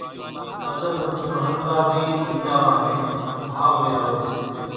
اڳر ٻتيون ۿرڳاوِي ليڌا وانھين ڀائو ويراوي سي